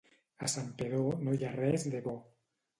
A Santpedor no hi ha res de bo.